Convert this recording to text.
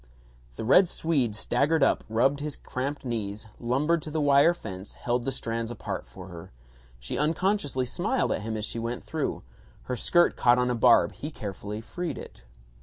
The Red Swede staggered up, rubbed his cramped knees, lumbered to the wire fence, held the strands apart for her. She unconsciously smiled at him as she went through. Her skirt caught on a barb; he carefully freed it.